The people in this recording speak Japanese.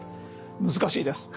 難しいです。